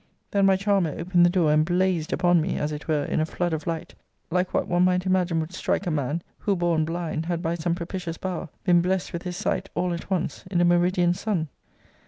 Then my charmer opened the door, and blazed upon me, as it were, in a flood of light, like what one might imagine would strike a man, who, born blind, had by some propitious power been blessed with his sight, all at once, in a meridian sun.